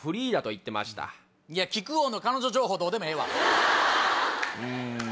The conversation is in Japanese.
木久扇の彼女情報どうでもええわ！